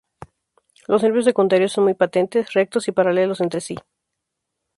Los nervios secundarios son muy patentes, rectos y paralelos entre sí.